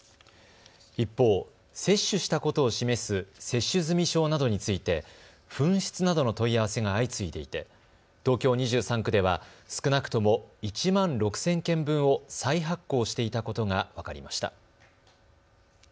一方、接種したことを示す接種済証などについて紛失などの問合せが相次いでいて東京２３区では少なくとも１万６０００件分を再発行していたことが分かりました。